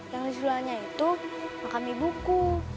yang disulanya itu makam ibuku